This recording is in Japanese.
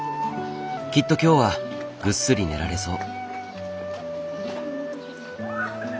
きっと今日はぐっすり寝られそう。